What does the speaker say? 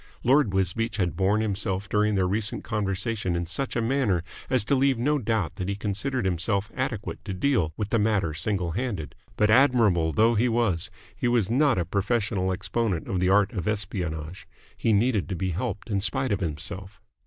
Lord Wisbeach had borne himself during their recent conversation in such a manner as to leave no doubt that he considered himself adequate to deal with the matter single handed: but admirable though he was he was not a professional exponent of the art of espionage. He needed to be helped in spite of himself.